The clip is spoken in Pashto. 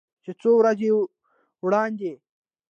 چې څو ورځې وړاندې